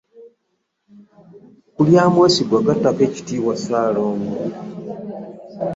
Ku lya Mwesigwa gattako ekitiibwa Ssaalongo.